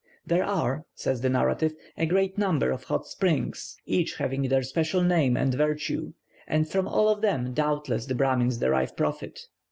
"There are," says the narrative, "a great number of hot springs, each having their special name and virtue, and from all of them doubtless the Brahmins derive profit.